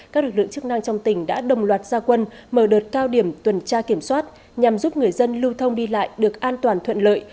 các lực lượng chức năng trong tỉnh đã đồng loạt gia quân mở đợt cao điểm tuần tra kiểm soát nhằm giúp người dân lưu thông đi lại được an toàn thuận lợi